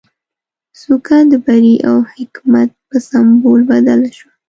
څوکه د بري او حکمت په سمبول بدله شوه.